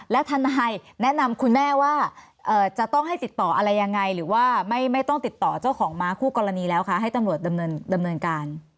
แล้วทนายแนะนำคุณแม่ว่าจะต้องให้ติดต่ออะไรยังไงหรือว่าไม่ต้องติดต่อเจ้าของม้าคู่กรณีแล้วคะให้ตำรวจดำเนินการ